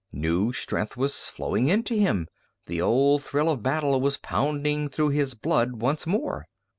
New strength was flowing into him, the old thrill of battle was pounding through his blood once more.